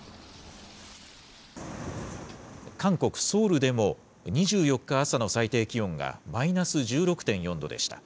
韓国・ソウルでも、２４日朝の最低気温がマイナス１６．４度でした。